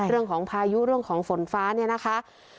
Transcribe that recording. เรื่องของพายุเรื่องของฝนฟ้าเนี่ยนะคะ